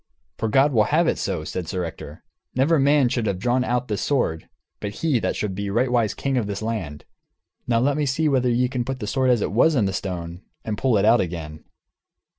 "For God will have it so," said Ector; "never man should have drawn out this sword but he that shall be rightwise king of this land. Now let me see whether ye can put the sword as it was in the stone, and pull it out again."